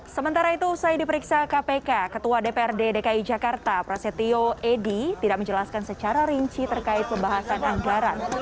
sementara itu usai diperiksa kpk ketua dprd dki jakarta prasetyo edy tidak menjelaskan secara rinci terkait pembahasan anggaran